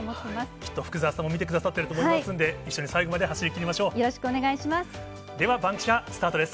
きっと福澤さんも見てくださってると思いますんで、一緒に最よろしくお願いします。